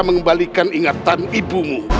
mengembalikan ingatan ibumu